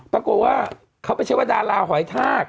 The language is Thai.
ปรากฏว่าเขาไม่ใช่ว่าดาราหอยทาก